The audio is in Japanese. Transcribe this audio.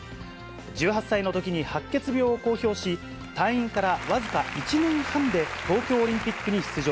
１８歳のときに白血病を公表し、退院から僅か１年半で東京オリンピックに出場。